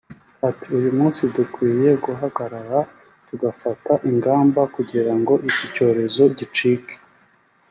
Ati “Uyu munsi dukwiye guhagarara tugafata ingamba kugira ngo iki cyorezo gicike